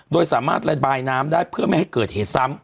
โดยสามารถระบายน้ำได้เพื่อไม่ให้เกิดเหตุซ้ำ